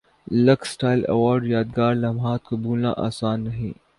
looks style award یادگار لمحات کو بھولنا اسان نہیں